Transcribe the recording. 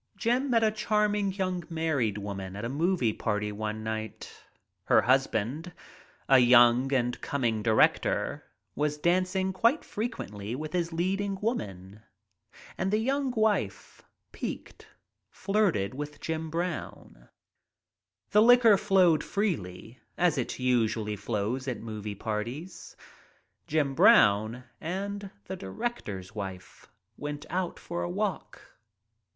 Jim met a charm ing young married woman at a movie party one night. Her husband, a young and coming director, was dancing quite frequently with his leading wom an, and the young wife, piqued, flirted with Jim Brown. ■ WHISKEY FUMES 67 The liquor flowed freely, as it usually flows at movie parties. Jim Brown and the director's wife went out for a walk.